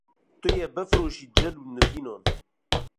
Tu yê bifroşî cil û nîvînan